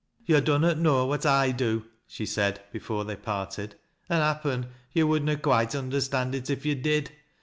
" Yo' dunnot know what / do," she said before they parted. "An' happen yo' would na quoite understand il if yo' did.